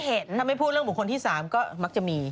พูดให้พูดเรื่องของคนที่สามก็มักจะมี